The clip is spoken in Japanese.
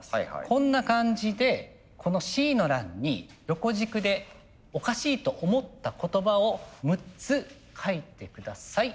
こんな感じでこのＣの欄に横軸でおかしいと思った言葉を６つ書いて下さい。